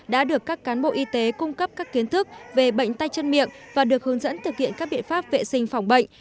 đã được các cán bộ y tế cung cấp các kiến thức về bệnh tay chân miệng và được hướng dẫn thực hiện các biện pháp vệ sinh phòng bệnh